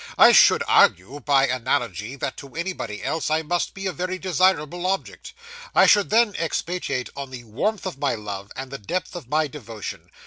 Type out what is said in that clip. I should argue, by analogy, that to anybody else, I must be a very desirable object. I should then expatiate on the warmth of my love, and the depth of my devotion.